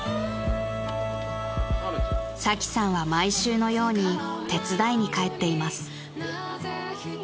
［サキさんは毎週のように手伝いに帰っています］